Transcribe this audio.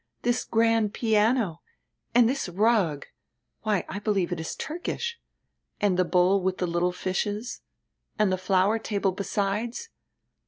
This grand piano! and diis rug! Why, I believe it is Turkish. And die bowl witii die little fishes, and die flower table besides!